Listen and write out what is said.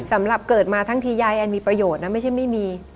สำหรับเกิดมาทั้งทียายแอนมีประโยชน์นะไม่ใช่ไม่มี